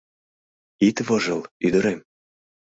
Ит вожыл, ӱдырем.